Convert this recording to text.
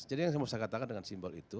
jadi yang saya mau katakan dengan simbol itu